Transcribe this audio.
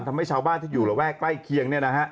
ทำให้ชาวบ้านที่อยู่ระแวกใกล้เคียง